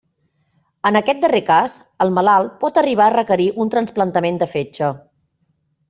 En aquest darrer cas, el malalt pot arribar a requerir un trasplantament de fetge.